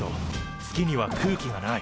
月には空気がない。